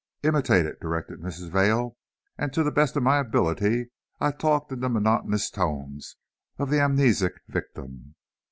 "Imitate it," directed Mrs. Vail, and to the best of my ability I talked in the monotonous tones of the amnesic victim.